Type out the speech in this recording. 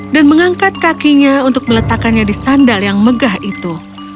dan mengangkat kakinya untuk meletakkannya di sandal yang megah itu